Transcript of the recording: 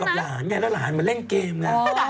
ข้อที่สามพี่มุ้นดำกำลังเป็นช่วงนี้น่ะ